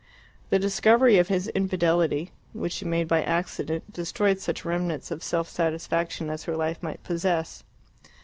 The discovery of his infidelity which she made by accident destroyed such remnants of self satisfaction as her life might yet possess.